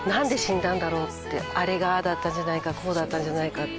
あれがああだったこうだったんじゃないかって。